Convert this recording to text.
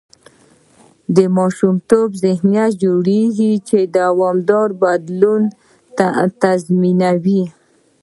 د ماشومتوبه ذهنیت جوړېږي، چې دوامداره بدلون تضمینوي.